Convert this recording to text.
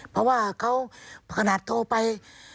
เพราะว่าเขาขนาดโทรไป